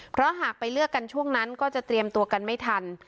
เพราะหากไปเลือกกันช่วงนั้นก็จะเตรียมตัวกันไม่ทัน